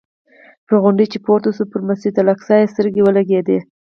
پر غونډۍ چې پورته شو پر مسجد الاقصی یې سترګې ولګېدې.